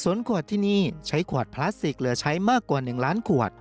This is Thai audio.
ส่วนขวดที่นี่ใช้ขวดพลาสติกเหลือใช้มากกว่า๑ล้านขวด